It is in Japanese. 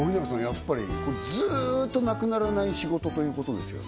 やっぱりこれずーっとなくならない仕事ということですよね？